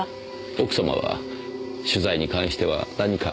奥様は取材に関しては何か？